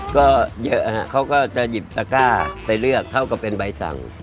ก็เยอะเขาก็จะหยิบตะก้าไปเลือกเท่ากับเป็นใบสั่ง